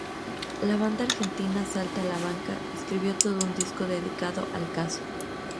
La banda Argentina Salta la Banca escribió todo un disco dedicado al caso.